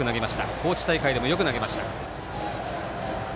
高知大会でも、よく投げました。